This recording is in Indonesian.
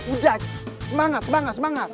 udah semangat semangat semangat